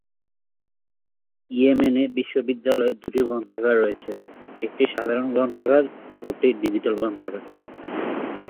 Yemen বিশ্ববিদ্যালয়ে দুইটি গ্রন্থাগার রয়েছে, একটি সাধারণ গ্রন্থাগার অপরটি ডিজিটাল গ্রন্থাগার।